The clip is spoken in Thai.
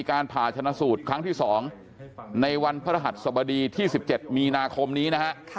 การผ่าชนะสูตรครั้งที่๒ในวันพระรหัสสบดีที่๑๗มีนาคมนี้นะฮะ